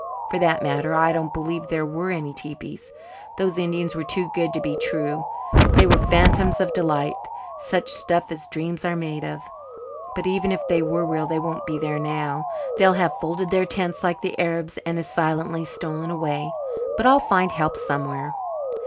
For that matter, I don't believe there were any tepees. Those Indians were too good to be true they were phantoms of delight such stuff as dreams are made of. But even if they were real they won't be there now they'll have folded their tents like the Arabs and as silently stolen away. But I'll find help somewhere."